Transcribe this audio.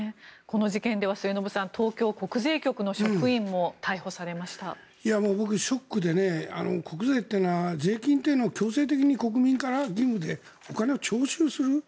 この事件では末延さん東京国税局の職員も僕、ショックでね国税っていうのは税金は強制的に国民から義務でお金を徴収する。